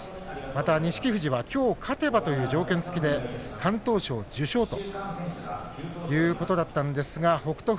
また、錦富士はきょう勝てばという条件付きで敢闘賞受賞ということだったんですが北勝